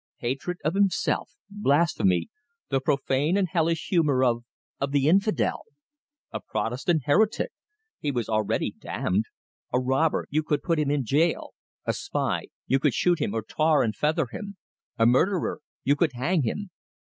Hatred of himself, blasphemy, the profane and hellish humour of of the infidel! A Protestant heretic he was already damned; a robber you could put him in jail; a spy you could shoot him or tar and feather him; a murderer you could hang him.